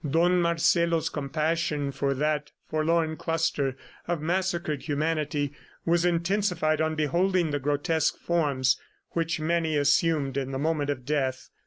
Don Marcelo's compassion for that forlorn cluster of massacred humanity was intensified on beholding the grotesque forms which many assumed in the moment of death.